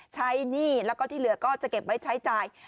หนี้แล้วก็ที่เหลือก็จะเก็บไว้ใช้จ่าย